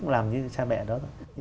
làm như cha mẹ đó